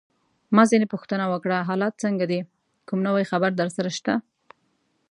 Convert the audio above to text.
ما ځینې پوښتنه وکړه: حالات څنګه دي؟ کوم نوی خبر درسره شته؟